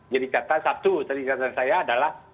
jadi kata satu tadi kata saya adalah